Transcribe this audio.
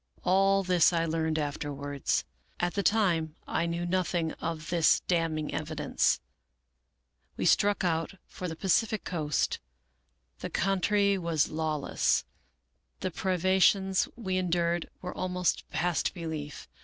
All this I learned afterwards. At the time I knew nothing of this damning evidence. " We struck out together for the Pacific coast. The coun try was lawless. The privations we endured were almost past belief.